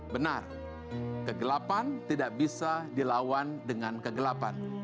benar kegelapan tidak bisa dilawan dengan kegelapan